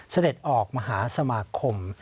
เสด็จออกมหาสมาคม